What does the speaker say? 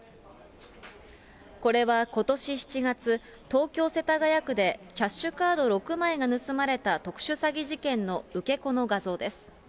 これはことし７月、東京・世田谷区でキャッシュカード６枚が盗まれた特殊詐欺事件の受け子の画像です。